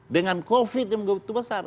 dengan covid yang begitu besar